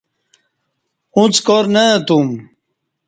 اُݩڅ کار نہ اتوم